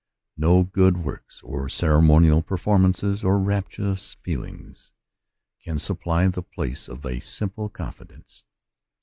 No good works, or ceremonial performances, or rapturous feelings, can supply the place of a simple confidence.